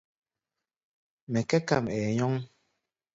Mɛ kɛ̧́ kam, ɛɛ nyɔŋ.